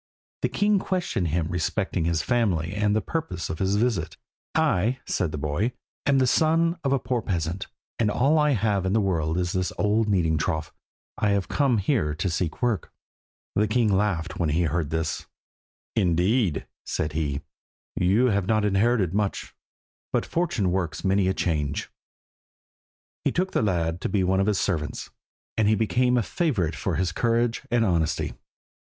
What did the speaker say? The king questioned him respecting his family and the purpose of his visit. "I," said the boy, "am the son of a poor peasant, and all I have in the world is an old kneading trough. I have come here to seek work." The king laughed when he heard this. "Indeed," said he, "you have not inherited much, but fortune works many a change." He took the lad to be one of his servants, and he became a favourite for his courage and honesty.